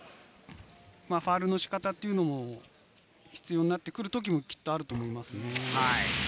ファウルの仕方というのも必要になってくるときもきっとあると思いますね。